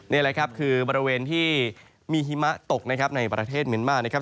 นี่แหละครับคือบริเวณที่มีหิมะตกนะครับในประเทศเมียนมานะครับ